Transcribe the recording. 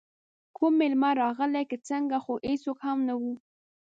کوم میلمه راغلی که څنګه، خو هېڅوک هم نه وو.